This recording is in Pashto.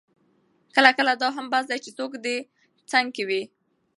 کله کله دا هم بس ده چې څوک دې څنګ کې وي.